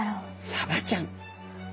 サバちゃん。